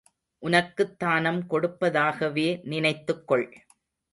உனக்குத் தானம் கொடுப்பதாகவே நினைத்துக்கொள்.